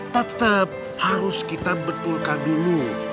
tetap harus kita betulkan dulu